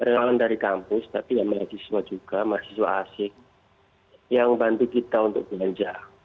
relawan dari kampus tapi ya mahasiswa juga mahasiswa asik yang bantu kita untuk belanja